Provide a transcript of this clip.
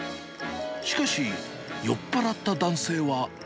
しかし、酔っ払った男性は。